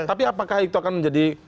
tapi apakah itu akan menjadi